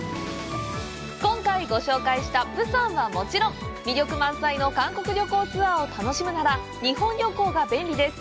今回ご紹介した釜山はもちろん魅力満載の韓国旅行ツアーを楽しむなら日本旅行が便利です。